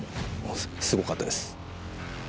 すごかったです。